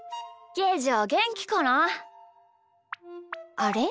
あれ？